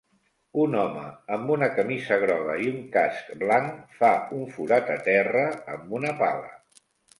Un home amb una camisa groga i un casc blanc fa un forat a terra amb una pala